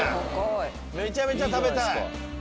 めちゃめちゃ食べたい。